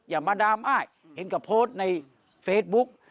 อย่ามาดราม่าเห็นกับโพสต์ในเฟซบุ๊ก